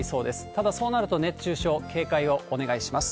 ただ、そうなると熱中症、警戒をお願いします。